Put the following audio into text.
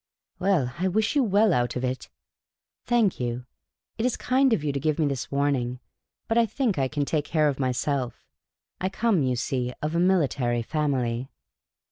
" Well, I wish you well out of it." " Thank you. It is kind of you to give me this warning. But I think I can take care of myself I come, you see, of a military family."